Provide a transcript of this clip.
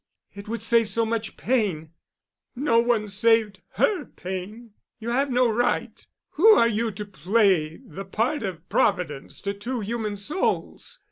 "It would save so much pain——" "No one saved her pain. You have no right. Who are you to play the part of Providence to two human souls?